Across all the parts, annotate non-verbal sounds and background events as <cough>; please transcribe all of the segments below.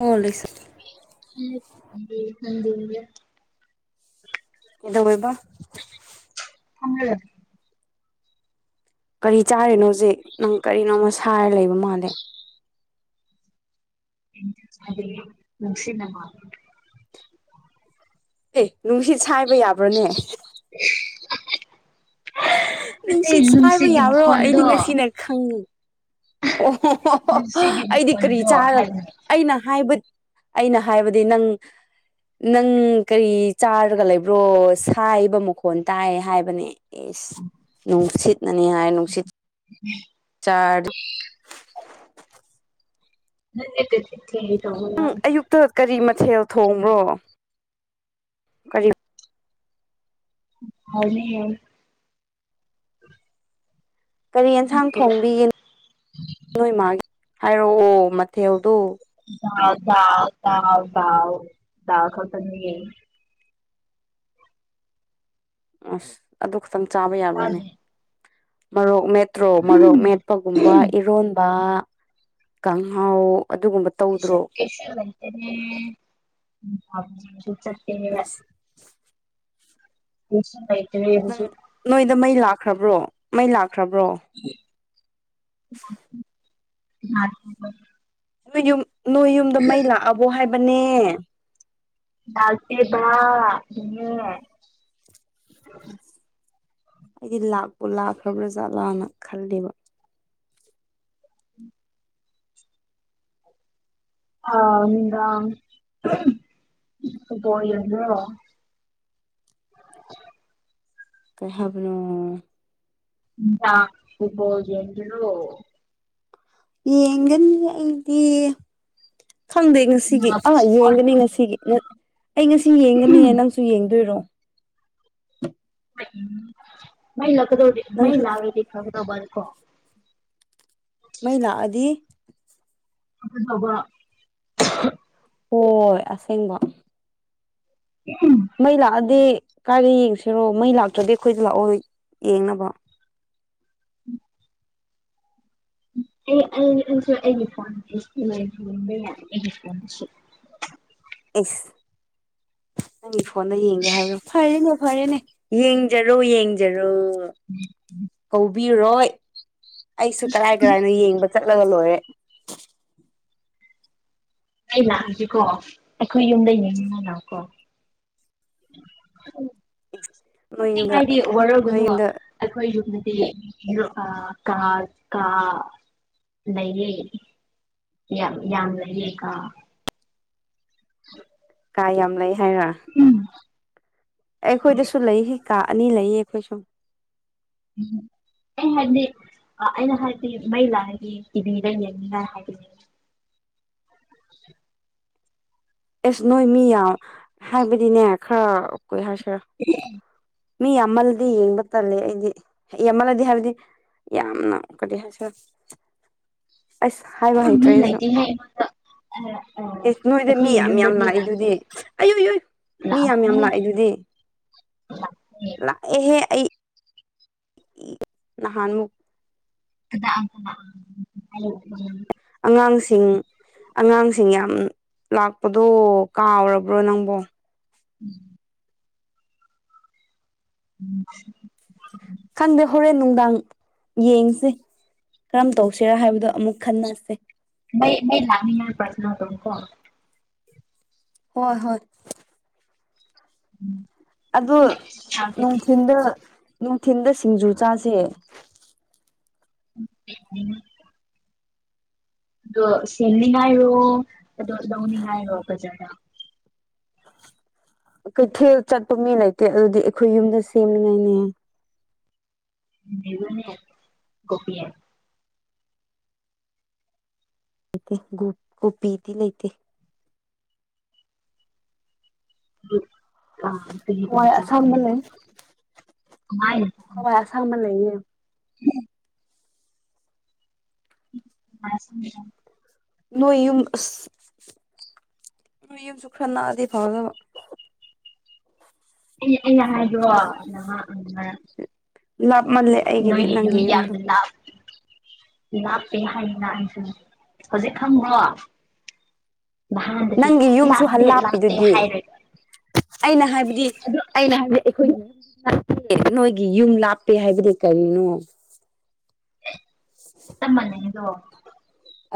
ꯑꯣ ꯂꯩꯁ ꯀꯗꯧ ꯑꯣꯏꯕ ꯊꯝꯃꯦ ꯀꯔꯤ ꯆꯥꯔꯤꯅꯣꯖꯤꯛ ꯅꯪ ꯀꯔꯤꯅꯣꯃ ꯁꯥꯔ ꯂꯩꯕ ꯃꯥꯜꯂꯦ ꯑꯗꯨ ꯅꯨꯡꯁꯤꯅꯉ ꯑꯦ ꯅꯨꯡꯁꯤꯠ ꯁꯥꯏꯕ ꯌꯥꯕ꯭ꯔꯅꯦ <unintelligible> ꯅꯨꯡꯁꯤꯠ ꯁꯥꯏꯕ ꯅꯨꯡꯁꯤꯒꯤ ꯌꯥꯕ꯭ꯔꯣ ꯑꯩꯗꯤ ꯃꯈꯣꯟꯗꯣ ꯉꯁꯤꯅ ꯈꯪꯉꯤ ꯑꯣꯣ ꯅꯨꯡꯁꯤꯒꯤ ꯑꯩꯗꯤ ꯀꯔꯤ ꯃꯈꯣꯟꯗꯣ ꯆꯥ ꯍꯥꯏꯕꯅꯦ ꯑꯩꯅ ꯍꯥꯏꯕꯠ ꯑꯩꯅ ꯍꯥꯏꯕꯗꯤ ꯅꯪ ꯅꯪ ꯀꯔꯤ ꯆꯥꯔꯒ ꯂꯩꯕ꯭ꯔꯣ ꯁꯥꯏꯕ ꯃꯈꯣꯟ ꯇꯥꯏ ꯍꯥꯏꯕꯅꯦ ꯑꯦꯁ ꯅꯨꯡꯁꯤꯠꯅꯅꯤ ꯍꯥꯏ ꯅꯨꯡꯁꯤꯠ ꯆꯥꯔ ꯅ ꯂꯩ ꯊ ꯊ ꯇꯂ ꯅꯪ ꯑꯌꯨꯛꯇ ꯀꯔꯤ ꯃꯊꯦꯜ ꯊꯣꯡꯕ꯭ꯔꯣ ꯀꯔꯤ ꯍꯅꯦ ꯀꯔꯤ ꯌꯦꯟꯁꯥꯡ ꯊꯣꯡꯕꯤꯒꯦꯅꯣ ꯅꯣꯏ ꯃꯥꯒꯤ ꯍꯥꯏꯔꯛꯑꯣ ꯃꯊꯦꯜꯗꯨ ꯌꯥ ꯗꯥ ꯇꯗꯥ ꯗꯥꯎ ꯗꯥ ꯈꯁꯅꯤ ꯑꯁ ꯑꯗꯨ ꯈꯇꯪ ꯆꯥꯕ ꯌꯥꯕ꯭ꯔꯥꯅꯦ ꯇꯥꯗꯦ ꯃꯔꯣꯔꯣꯛ ꯃꯦꯠꯇ꯭ꯔꯣ ꯃꯔꯣꯔꯣꯛ ꯃꯦꯠ ꯄꯒꯨꯝꯕ ꯏꯔꯣꯟꯕ ꯀꯥꯡꯍꯥꯎ ꯑꯗꯨꯒꯨꯝꯕ ꯀ ꯇꯧꯗ꯭ꯔꯣ ꯀꯦꯁꯇꯅꯦ ꯆꯦꯅꯦ ꯁꯨ ꯍꯥꯏꯥꯏꯇ ꯅꯪ ꯑꯗꯨꯁꯨ ꯅꯣꯏꯗ ꯃꯩ ꯂꯥꯛꯈ꯭ꯔꯕ꯭ꯔꯣ ꯃꯩ ꯂꯥꯛꯈ꯭ꯔꯕ꯭ꯔꯣ ꯑ ꯅꯣꯏ ꯌꯨꯝ ꯅꯣꯏ ꯌꯨꯝꯗ ꯃꯩ ꯂꯥꯛꯑꯕꯣ ꯍꯥꯏꯕꯅꯦ ꯂꯥꯛꯇꯦꯗ ꯌꯦ ꯑꯩꯗꯤ ꯂꯥꯛꯄ ꯂꯥꯛꯈ꯭ꯔꯕ꯭ꯔꯖꯥꯠꯂꯥꯅ ꯈꯜꯂꯦꯕ ꯑ ꯃꯤꯒꯄꯣ ꯌꯦꯗꯣ ꯀꯩ ꯍꯥꯏꯕꯅꯣ ꯏ ꯍꯨꯄꯣꯖꯟꯣ ꯌꯦꯡꯒꯅꯤ ꯑꯩꯗꯤ ꯈꯪꯗꯦ ꯉꯁꯤꯒꯤ ꯑꯥ ꯏꯁꯄꯣꯔꯠ ꯌꯦꯡꯒꯅꯤ ꯉꯁꯤꯒꯤ ꯑꯩ ꯉꯁꯤ ꯌꯦꯡꯒꯅꯤ ꯅꯪꯁꯨ ꯌꯦꯡꯗꯣꯏꯔꯣ ꯃꯩꯒꯗꯣ ꯅꯪꯁꯨ ꯃꯩꯗꯤ ꯊꯒꯗꯣꯕꯜꯀꯣ ꯃ ꯂꯥꯛꯑꯗꯤ ꯍꯕ ꯍꯣꯏ ꯑꯁꯦꯡꯕ ꯎꯝ ꯃꯩ ꯂꯥꯛꯑꯗꯤ ꯀꯥꯏꯗ ꯌꯦꯡꯁꯤꯔꯣ ꯃꯩ ꯂꯥꯛꯇ꯭ꯔꯗꯤ ꯑꯩꯈꯣꯏꯗ ꯂꯥꯛꯑꯣ ꯌꯦꯡꯅꯕ ꯑꯦꯂ ꯐꯣꯟ ꯑꯦꯂꯐꯣꯟ ꯑ꯭ꯌꯁ ꯅꯪꯒꯤ ꯐꯣꯟꯗꯣ ꯌꯦꯡꯒꯦ ꯍꯥꯏꯕ꯭ꯔꯣ ꯐꯔꯦꯅꯦ ꯐꯔꯦꯅꯦ ꯌꯦꯡꯖꯔꯣ ꯌꯦꯡꯖꯔꯣ <inaudible> ꯀꯧꯕꯤꯔꯔꯣꯏ ꯑꯩꯁꯨ ꯀꯔꯥꯏ ꯀꯔꯥꯏꯅꯣ ꯌꯦꯡꯕ ꯆꯠꯂꯒ ꯂꯣꯏꯔꯦ ꯑꯩ ꯂꯥꯛꯑꯁꯤꯀꯣ ꯑꯩꯈꯣꯏ ꯌꯨꯝꯗ ꯌꯦꯡꯅꯤꯡꯅ ꯂꯀꯣ ꯑꯣ ꯎ ꯁꯣꯛꯅꯤꯡ ꯍꯥꯏꯥꯏꯗꯤ ꯋꯥꯔꯒꯅꯨ ꯑꯩꯈꯣꯏ ꯌꯨꯝꯗꯗꯤ ꯀꯥ ꯀꯥ ꯂꯩꯌꯦ ꯌꯥꯝ ꯌꯥꯝ ꯂꯩꯌꯦ ꯀꯥ <unintelligible> ꯀꯥ ꯌꯥꯝ ꯂꯩ ꯍꯥꯏꯔ ꯎꯝ ꯑꯦ ꯑꯩꯈꯣꯏꯗꯁꯨ ꯂꯩ ꯀꯥ ꯑꯅꯤ ꯂꯩꯌꯦ ꯑꯩꯈꯣꯏ ꯁꯨꯝ ꯗꯤ ꯑ ꯑꯩꯅ ꯍꯥꯏꯕꯗꯤ ꯃꯩ ꯂꯥꯛꯑꯒꯤ ꯇꯤꯚꯤ ꯂꯩ ꯌꯦꯅꯤꯅꯅ ꯍꯥꯏꯕꯅꯦ ꯑꯦꯁ ꯅꯣꯏ ꯃꯤ ꯌꯥ ꯍꯥꯏꯕꯗꯤꯅꯦ ꯈꯔ ꯀ ꯍꯥꯏꯁꯤꯔ ꯑꯦ ꯃꯤ ꯑꯃꯂꯗꯤ ꯌꯦꯡꯕ ꯇꯂ ꯑꯩꯗꯤ ꯑꯃꯂꯗꯤ ꯍꯥꯏꯕꯗꯤ ꯌꯥꯝꯅ ꯀꯔꯤ ꯍꯥꯏꯁꯔ ꯑꯁ ꯍꯥꯏꯕ ꯃꯤ ꯍꯩꯇ꯭ꯔꯦꯁꯨ ꯂꯩꯇꯦꯍꯦ ꯑꯩꯉꯣꯟꯗ ꯅꯣꯏꯗ ꯃꯤ ꯑꯩꯈꯣꯏꯒꯤ ꯌꯥꯝ ꯌꯥꯝ ꯌꯨꯝꯗꯗꯤ ꯅꯥꯏ ꯂꯥꯛꯇꯦ ꯑꯗꯨꯗꯤ ꯑꯌꯨ ꯏ ꯌꯨꯏ ꯃꯤ ꯌꯥꯝ ꯌꯥꯝ ꯂꯥꯛꯑꯦ ꯑꯗꯨꯗꯤ ꯎ ꯑꯦ ꯑꯩ ꯅꯍꯥꯟ ꯃꯨꯛ ꯑꯗꯨꯗ ꯑꯉꯥꯡꯁꯤꯡ ꯑꯉꯥꯡꯁꯤꯡ ꯌꯥꯝ ꯂꯥꯛꯄꯗꯣ ꯀꯥꯎꯔꯕ꯭ꯔꯣ ꯅꯪꯕꯣ ꯎꯝ ꯎꯝ ꯈꯪꯗꯦ ꯍꯣꯔꯦꯟ ꯅꯨꯡꯗꯥꯡ ꯌꯦꯡꯁꯦ ꯀꯔꯝ ꯇꯧꯁꯤꯔꯥ ꯍꯥꯏꯕꯗꯣ ꯑꯃꯨꯛ ꯈꯟꯅꯁꯦ ꯃꯩ ꯃꯩ ꯂꯥꯛꯅꯤꯉꯥꯏ ꯄ꯭ꯔꯊꯅꯥ ꯇꯧꯒꯦꯀꯣ ꯍꯣꯏ ꯍꯣꯏ ꯎꯝ ꯑꯗꯨ ꯅꯨꯡꯊꯤꯟꯗ ꯅꯨꯡꯊꯤꯟꯗ ꯁꯤꯡꯖꯨ ꯆꯥꯁꯦ ꯎꯝ ꯑꯣ ꯁꯦꯅꯤꯡꯉꯥꯏꯔꯣ ꯑꯗꯣ ꯂꯧꯅꯤꯡꯉꯥꯏꯔꯣ ꯐꯖꯅ ꯀꯩꯊꯦꯜ ꯆꯠꯄ ꯃꯤ ꯂꯩꯇꯦ ꯑꯗꯨꯗꯤ ꯑꯩꯈꯣꯏ ꯌꯨꯝꯗ ꯁꯦꯝꯃꯤꯉꯥꯏꯅꯦ ꯃꯕꯅꯤ ꯀꯣꯄꯤꯂ ꯂꯩꯇꯦ ꯒꯣ ꯒꯣꯄꯤꯗꯤ ꯂꯩꯇꯦ ꯍꯋꯥꯏ ꯑꯁꯥꯡꯕ ꯂꯩ <unintelligible> ꯍꯋꯥꯏ ꯑꯁꯥꯡ ꯃ ꯂꯩꯅꯦ ꯃꯥꯃꯦꯗꯥꯝ ꯅꯣꯏ ꯌꯨꯝ ꯑꯁ ꯅꯣꯏ ꯌꯨꯝꯁꯨ ꯈꯔ ꯅꯥꯑꯗꯗꯤ ꯐꯥꯎꯅꯕ ꯍꯥꯏ ꯋꯥ ꯂꯥꯞꯃꯜꯂꯦ ꯂꯣꯏ ꯑꯩꯒꯤꯗꯤ ꯅꯪꯒꯤ ꯃꯤ ꯌꯥꯝ ꯌꯨꯝꯗꯣ ꯂ ꯂꯥꯞꯄꯦ ꯍꯥꯏꯌꯦ ꯂꯥꯛꯁ ꯍꯧꯖꯤꯛ ꯈꯪꯉ꯭ꯔꯣ ꯥꯟꯗꯗꯤ ꯅꯪꯒꯤ ꯌꯨꯝꯁꯨ ꯂꯥꯛꯇꯦ ꯂꯥꯛꯇꯦ ꯂꯥꯞꯄꯤꯗꯨꯗꯤ ꯍꯥꯏꯔ ꯑꯩꯅ ꯍꯥꯏꯕꯗꯤ ꯑꯩꯅ ꯍꯥꯏꯕꯗꯤ ꯑꯩꯈꯣꯏꯒꯤ <inaudible> ꯅꯣꯏꯒꯤ ꯌꯨꯝ ꯂꯥꯞꯄꯦ ꯍꯥꯏꯕꯗꯤ ꯀꯔꯤꯅꯣ ꯆꯞꯃꯥꯟꯌꯦꯗꯣ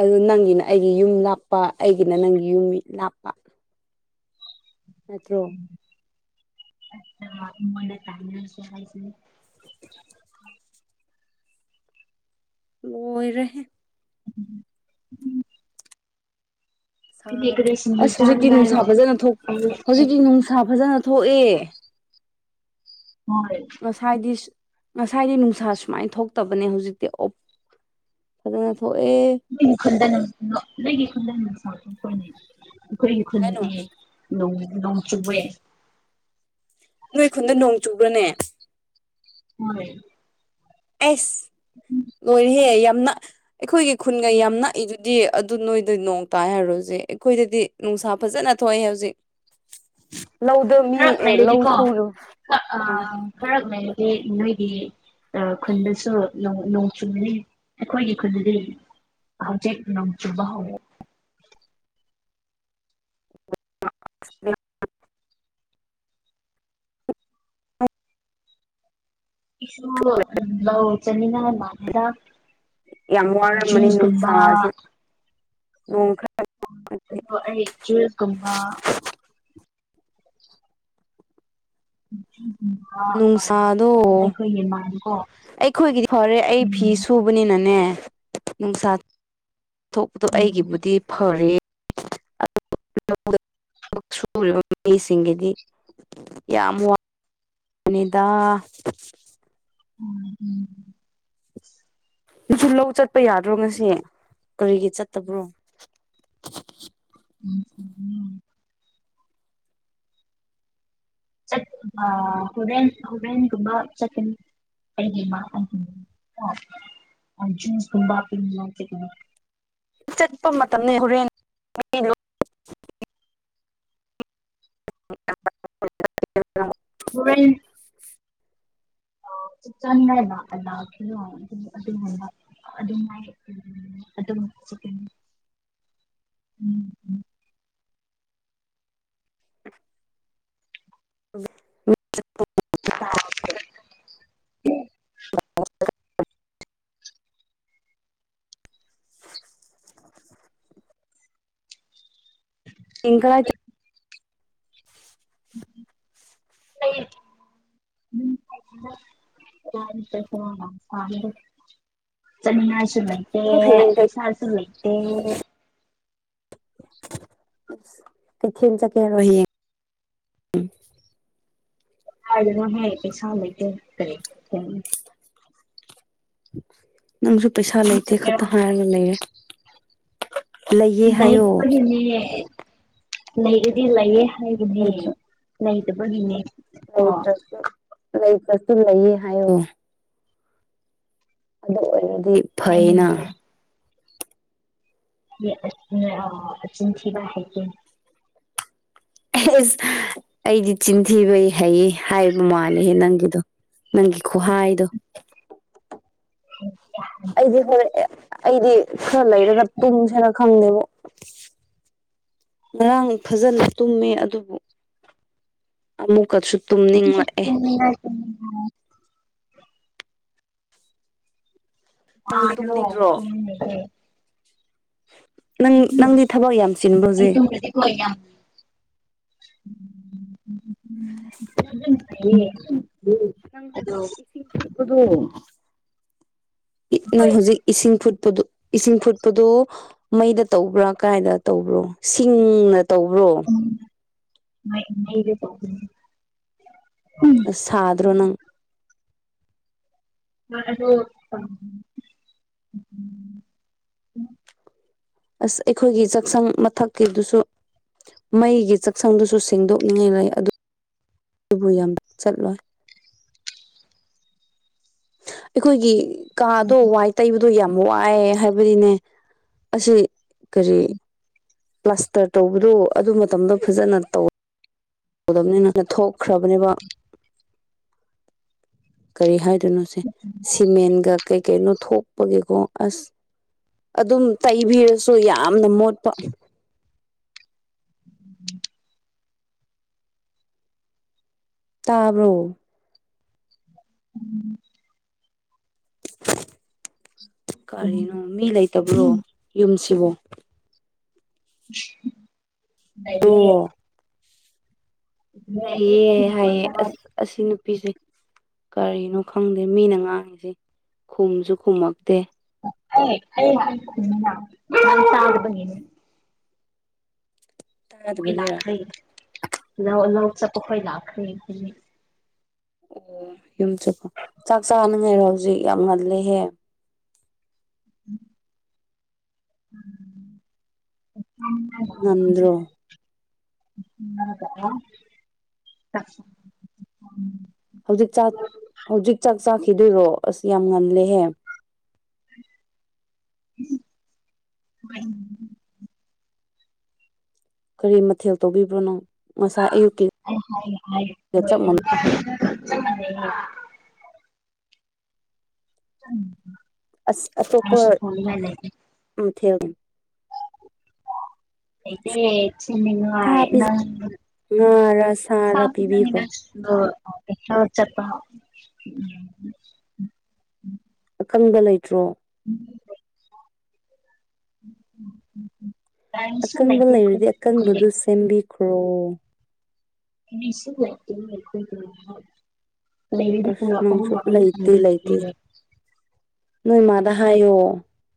ꯑꯗꯨ ꯅꯪꯒꯤꯅ ꯑꯩꯒꯤ ꯌꯨꯝ ꯂꯥꯞꯄ ꯑꯩꯒꯤꯅ ꯅꯪꯒꯤ ꯌꯨꯝ ꯂꯥꯞꯄ ꯑꯆꯥ <inaudible> <unintelligible> <inaudible> ꯂꯣꯏꯔꯦꯍꯦ ꯎꯝ ꯎꯝ <inaudible> ꯀꯔꯤ ꯁꯤꯡꯖꯨ ꯑꯁ ꯍꯧꯖꯤꯛꯇꯤ ꯆꯥꯅꯤꯡꯉꯥꯏꯔꯣ ꯅꯨꯡꯁꯥ ꯐꯖꯅ ꯊꯣꯛ ꯑꯩ ꯍꯧꯖꯤꯛꯇꯤ ꯅꯨꯡꯁꯥ ꯐꯖꯅ ꯊꯣꯛꯑꯦ ꯍꯣꯏ ꯉꯁꯥꯏꯗꯤ ꯉꯁꯥꯏꯗꯤ ꯅꯨꯡꯁꯥ ꯁꯨꯃꯥꯏꯅ ꯊꯣꯛꯇꯕꯅꯦ ꯍꯧꯖꯤꯛꯇꯤ ꯑꯣꯣꯞ ꯐꯖꯅ ꯊꯣꯛꯑꯦ ꯅꯪꯒꯤ ꯈꯨꯟꯗ <inaudible> ꯅꯪꯒꯤ ꯈꯨꯟꯗ <inaudible> ꯑꯩꯈꯣꯏꯒꯤ ꯀꯩ ꯍꯥꯏꯅꯣ ꯈꯨꯟꯗꯗꯤ ꯅꯣꯡ ꯅꯣꯡ ꯆꯨꯕꯦ ꯅꯣꯏ ꯈꯨꯟꯗ ꯅꯣꯡ ꯆꯨꯕ꯭ꯔꯅꯦ ꯍꯣꯌ ꯑꯦꯁ ꯂꯣꯏꯔꯍꯦ ꯌꯥꯝꯅ ꯑꯩꯈꯣꯏꯒꯤ ꯈꯨꯟꯒ ꯌꯥꯝ ꯅꯛꯏꯗꯨꯗꯤ ꯑꯗꯨ ꯅꯣꯏꯗ ꯅꯣꯡ ꯇꯥꯏ ꯍꯥꯏꯔꯨꯔꯁꯦ ꯑꯩꯈꯣꯏꯗꯗꯤ ꯅꯨꯡꯁꯥ ꯐꯥꯅꯥ ꯊꯣꯛꯑꯦ ꯍꯧꯖꯤꯛ ꯂꯧꯗ ꯃꯤ ꯈꯔ ꯑꯦ ꯂꯧ ꯁꯨꯔꯨ ꯎꯝ ꯈꯥꯔꯛ ꯂꯩꯔ꯭ꯗꯦ ꯅꯣꯏꯀꯤ ꯈꯨꯟꯗꯁꯨ ꯅꯣꯡ ꯆꯨꯕꯅꯤ ꯑꯩꯈꯣꯏꯒꯤ ꯈꯨꯟꯗꯗꯤ ꯍꯧꯖꯤꯛ ꯅꯣꯡ ꯆꯨꯕ ꯍꯧ <unintelligible> ꯏꯁꯨ ꯂ ꯆꯃꯤꯅ ꯃꯥꯗ ꯌꯥꯝ ꯟꯁ ꯋꯥꯔꯝꯃꯅꯤ ꯇꯝꯕ ꯅꯨꯡꯁꯥꯁꯦ ꯅꯣꯡ ꯈꯔ <unintelligible> ꯍꯣ ꯑꯩ ꯖꯨꯁꯒꯨꯝꯕ ꯖꯨꯁꯀꯨꯝꯕ <unintelligible> ꯑ ꯅꯨꯡꯁꯥꯗꯣ ꯑꯩꯈꯣꯏꯒꯤ ꯃꯥꯟꯀꯣ ꯑꯩꯈꯣꯏꯒꯤꯗꯤ ꯐꯔꯦ ꯑꯩ ꯐꯤ ꯎꯝ ꯁꯨꯕ ꯍꯕꯅꯤꯅꯅꯦ ꯅꯨꯡꯁꯥ ꯊꯣꯛꯄꯗꯣ ꯎꯝ ꯑꯩꯒꯤꯕꯨꯗꯤ ꯐꯔꯦ ꯁꯨꯔꯤꯕ ꯃꯤꯁꯤꯡꯒꯤꯗꯤ <unintelligible> ꯌꯥꯝ ꯋꯥ ꯅꯤꯗ ꯎꯝ ꯎꯝ <inaudible> ꯅꯁꯨ ꯂꯧ ꯆꯠꯄ ꯌꯥꯗ꯭ꯔꯣ ꯉꯁꯤ ꯀ꯭ꯔꯤꯒꯤ ꯆꯠꯇꯕ꯭ꯔꯣ <unintelligible> ꯆꯠ ꯑꯥ ꯍꯨꯔꯦꯟ ꯍꯨꯔꯦꯟꯒꯨꯝꯕ ꯆꯠꯀꯅꯤ ꯑꯩꯒꯤ ꯃꯥ ꯑꯃꯨ <unintelligible> ꯖꯨꯏꯀꯨꯝꯕ <unintelligible> ꯆꯠꯄ ꯃꯇꯝꯅꯦ ꯍꯣꯔꯦꯟ <unintelligible> ꯍꯌꯦꯡ ꯍꯨꯔꯦꯟ ꯑꯣ ꯆꯥꯅꯤꯡꯉꯥꯏ <inaudible> ꯑꯗꯨꯅꯦꯕꯥ ꯑꯗꯨꯃꯥꯏ ꯑꯗꯨꯝ ꯆꯤꯀꯟ ꯎꯝ <inaudible> <unintelligible> <unintelligible> ꯄꯤꯀ <inaudible> ꯂꯩꯌꯦ ꯎꯝ ꯀ ꯊꯗ ꯆꯅꯤꯉꯁꯨ ꯂꯩꯇꯦ ꯅꯪ ꯍꯌꯦꯡ ꯀꯩ ꯕꯤꯁꯥꯔꯁꯨ ꯂꯩꯇꯦ ꯄꯊꯤꯟ ꯁꯠꯀꯦꯔꯣ ꯖꯌꯦꯪ ꯀꯅ ꯍꯥꯏ ꯀꯩ ꯁꯃ ꯇꯔꯦ ꯅꯪꯁꯨ ꯄꯩꯁꯥ ꯂꯩꯇꯦ ꯈꯠꯇ ꯍꯥꯏꯔꯒ ꯂꯩꯔꯦ ꯂꯩꯌꯦ ꯍꯥꯏꯌꯣ <unintelligible> ꯂꯩꯔꯗꯤ ꯂꯩꯌꯦ ꯍꯥꯏꯒꯅꯦ ꯂꯩꯇ꯭ꯔ ꯂꯩꯗꯕꯒꯤꯅꯦ ꯂꯩꯇ꯭ꯔꯁꯨ ꯂꯩꯇ꯭ꯔꯁꯨ ꯂꯩꯌꯦ ꯍꯥꯏꯌꯣ ꯑꯗꯨ ꯑꯣꯏꯔꯗꯤ ꯐꯩꯅ ꯍꯥꯏꯅꯤꯡꯉꯦ ꯌꯦꯗꯂꯁꯨꯅꯦ ꯀꯤꯟꯊꯤꯕ ꯍꯩꯇꯦ ꯑꯦꯁ ꯑꯩꯗꯤ ꯆꯤꯟꯊꯤꯕꯩ ꯍꯩꯌꯦ ꯍꯥꯏꯕ ꯃꯥꯜꯂꯦꯍꯦ ꯅꯪꯒꯤꯗꯣ ꯅꯪꯒꯤ ꯈꯨꯣꯍꯥꯏꯗꯣ <unintelligible> ꯑꯩꯗꯤ ꯍꯣꯔꯦ ꯑꯩꯗꯤ ꯈꯔ ꯂꯩꯔꯒ ꯇꯨꯝꯁꯤꯔ ꯈꯪꯗꯦꯕꯣ ꯉꯔꯥꯡ ꯐꯖꯅ ꯇꯨꯝꯃꯦ ꯑꯗꯨꯕꯨ ꯑꯃꯨꯛꯀꯁꯨ ꯇꯨꯝꯅꯤꯡꯂꯛꯑꯦ <unintelligible> ꯅꯪꯗꯤ ꯗꯦ ꯇꯨꯝꯅꯤꯡꯗ꯭ꯔꯣ ꯅꯪ ꯅꯪꯗꯤ ꯊꯕꯛ ꯌꯥꯝ ꯆꯟꯕꯔꯣ ꯍꯧꯖꯤꯛ ꯍꯣꯏ ꯌꯥꯝ ꯅꯪ <inaudible> ꯍꯧꯖꯤꯛ ꯑ <unintelligible> ꯏꯁꯤꯡ ꯅꯪ ꯍꯣꯏ ꯍꯧꯖꯤꯛ <unintelligible> ꯏꯁꯤꯡ ꯐꯨꯠꯄꯗꯨ, ꯏꯁꯤꯡ ꯐꯨꯠꯄꯗꯨ ꯃꯩꯗ ꯇꯧꯕ꯭ꯔꯥ ꯀꯥꯏꯗ ꯇꯧꯕ꯭ꯔꯣ, ꯁꯤꯡꯅ ꯇꯧꯕ꯭ꯔꯣ? <inaudible> ꯁꯥꯗ꯭ꯔꯣ ꯅꯪ? ꯑꯗꯨ <unintelligible> ꯑꯁ ꯑꯩꯈꯣꯏꯒꯤ ꯆꯥꯛꯁꯪ ꯃꯊꯛꯀꯤꯗꯨꯁꯨ, ꯃꯩꯒꯤ ꯆꯥꯛꯁꯪꯗꯨꯁꯨ ꯁꯦꯡꯗꯣꯛꯅꯤꯡꯉꯥꯏ ꯂꯩ ꯑꯗꯣ, ꯑꯗꯨꯕꯨ ꯌꯥꯝ ꯆꯠꯂꯣꯏ꯫ ꯑꯩꯈꯣꯏꯒꯤ ꯀꯥꯗꯣ ꯋꯥꯏ ꯇꯩꯕꯗꯣ ꯌꯥꯝ ꯋꯥꯏꯌꯦ ꯍꯥꯏꯕꯗꯤꯅꯦ ꯑꯁꯤ, ꯀꯔꯤ ꯄ꯭ꯂꯥꯁꯇꯔ ꯇꯧꯕꯗꯣ ꯑꯗꯨ ꯃꯇꯝꯗꯣ ꯐꯖꯅ ꯇꯧ ꯇꯧꯗꯕꯅꯤꯅ ꯊꯣꯛ ꯈ꯭ꯔꯕꯅꯦꯕ ꯀꯔꯤ ꯍꯥꯏ, ꯀꯩꯅꯣꯁꯦ ꯁꯤꯃꯦꯟꯒ ꯀꯩ ꯀꯩꯅꯣ ꯊꯣꯛꯄꯒꯤꯀꯣ ꯑꯁ, ꯑꯗꯨꯝ ꯇꯩꯕꯤꯔꯁꯨ ꯌꯥꯝꯅ ꯃꯣꯠꯄ꯫ ꯇꯥꯕ꯭ꯔꯣ ꯎꯝ ꯀꯔꯤꯅꯣ! ꯃꯤ ꯂꯩꯇꯕ꯭ꯔꯣ ꯌꯨꯝꯁꯤꯕꯣ꯫ ꯑꯩꯗꯤ <unintelligible> ꯑꯣ ꯂꯩꯌꯦ ꯍꯥꯏꯌꯦ ꯑꯁ ꯑꯁꯤ ꯅꯨꯄꯤꯁꯦ, ꯀꯔꯤꯅꯣ ꯈꯪꯗꯦ, ꯃꯤꯅ ꯉꯥꯡꯉꯁꯤ ꯈꯨꯝꯁꯨ ꯈꯨꯝꯃꯛꯇꯦ꯫ ꯑꯦ ꯆ <unintelligible> ꯍꯣꯏ ꯇꯥꯗꯕꯒꯤꯔ ꯂꯥꯈ꯭ꯔꯦ ꯂꯧ ꯂꯧ ꯆꯠꯄꯈꯣꯏ ꯂꯥꯛꯈ꯭ꯔꯦ꯫ ꯑꯣ ꯌꯨꯝ ꯆꯠꯄ ꯆꯥꯛ ꯆꯥꯅꯤꯉꯥꯏꯔꯣ ꯍꯧꯖꯤꯛ ꯌꯥꯝ ꯉꯜꯂꯦꯍꯦ꯫ ꯎꯝ <inaudible> <inaudible> ꯉꯟꯗ꯭ꯔꯣ ꯇ ꯆ <unintelligible> ꯍꯧꯖꯤꯛ ꯆꯥꯛ ꯍꯧꯖꯤꯛ ꯆꯥꯛ ꯆꯥꯈꯤꯗꯣꯏꯔꯣ ꯑꯁ ꯌꯥꯝ ꯉꯜꯂꯦꯍꯦ꯫ <inaudible> ꯍꯣꯌ ꯀꯔꯤ ꯃꯊꯦꯜ ꯇꯧꯕꯤꯕ꯭ꯔꯣ ꯅꯪ? ꯉꯁꯥꯏ ꯑꯌꯨꯛꯀꯤ ꯒ <unintelligible> ꯆꯞ ꯃꯥꯟ <inaudible> <inaudible> ꯑꯩꯁꯨ ꯊꯣꯅꯤꯉꯥꯏ ꯂꯩꯇꯦ ꯎꯝ ꯊ <unintelligible> ꯂꯩꯇꯦ꯫ ꯁꯥ ꯁꯤꯃꯤꯟꯋꯥꯏ ꯄꯤꯖ ꯅꯪ ꯉꯥꯔ ꯁꯥ ꯁꯥꯔ ꯄꯤꯕꯤꯈ꯭ꯔꯣ ꯄꯤꯖꯅꯤꯡꯉꯥꯏ <unintelligible> ꯗꯣ ꯄꯩꯈ꯭ꯌꯥ ꯆꯠꯄ ꯍ ꯎꯝ <unintelligible> ꯑꯀꯪꯒ ꯂꯩꯇ꯭ꯔꯣ? <inaudible> ꯀꯔꯤꯁꯨ ꯑꯀꯪꯕ ꯂꯩꯇꯦ ꯑꯩꯈꯣꯏ ꯂꯩꯔꯗꯤ ꯑꯀꯪꯕꯗꯨ ꯁꯦꯝꯕꯤꯈ꯭ꯔꯣ꯫ ꯃꯤꯁꯨ ꯂꯥꯛꯇꯦꯅ ꯑꯩꯈꯣꯏꯗꯣ ꯉꯥꯏꯍꯥꯛ, ꯂꯩꯔꯗꯤ ꯑꯁ ꯅꯪꯁꯨ ꯂꯩꯇꯦ <unintelligible> ꯅꯣꯏꯃꯥꯗ ꯍꯥꯏꯌꯣ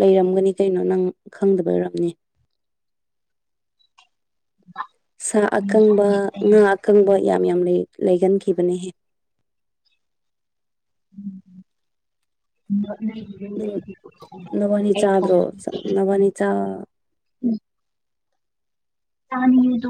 ꯂꯩꯔꯝꯒꯅꯤ ꯀꯩꯅꯣ ꯅꯪ ꯈꯪꯗꯕꯩ ꯑꯣꯏꯔꯝꯅꯤ꯫ <inaudible> ꯁꯥ ꯑꯀꯪꯕ ꯉꯥ ꯑꯀꯪꯕ ꯌꯥꯝ ꯌꯥꯝ ꯂꯩ ꯂꯩꯒꯟꯈꯤꯕꯅꯦꯍꯦ꯫ <unintelligible> ꯎꯝ ꯅꯥꯕꯅꯤ ꯑꯩ ꯆꯥꯗ꯭ꯔꯣ ꯆ ꯊꯣꯡꯕꯤꯒꯦ ꯅꯥꯕꯅꯤ ꯆꯥ ꯆꯥꯅꯤꯡꯉꯦꯗꯨ,